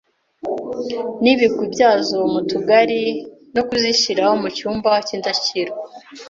n’ibigwi byazo mu Tugari no kuzishyira mu cyumba cy’indashyikirwa.